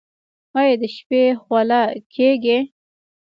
ایا د شپې خوله کیږئ؟